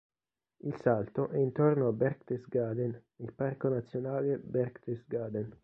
Il salto è intorno a Berchtesgaden, nel Parco nazionale Berchtesgaden.